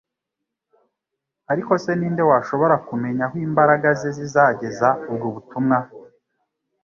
ariko se ni nde washobora kumenya aho imbaraga ze zizageza ubwo butumwa?